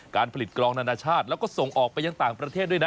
การผลิตกรองนานาชาติแล้วก็ส่งออกไปยังต่างประเทศด้วยนะ